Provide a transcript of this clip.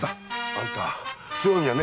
あんた強いんやね。